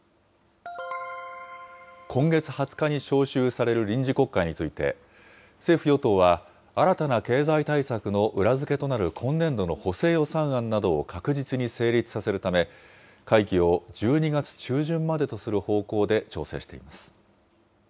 今月２０日に召集される臨時国会について、政府・与党は、新たな経済対策の裏付けとなる今年度の補正予算案などを確実に成立させるため、会期を１２月中旬までとする方向で調整しています。